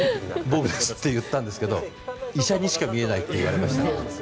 僕ですって言ったんですけど医者にしか見えないって言われました。